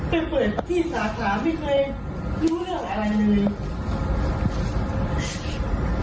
ไปเปิดที่สาขาไม่เคยรู้เรื่องอะไรเลย